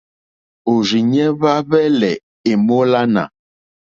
Òrzìɲɛ́ hwá hwɛ́lɛ̀ èmólánà.